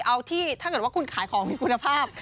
เอาที่ถ้าเกิดว่าคุณขายของมีคุณภาพ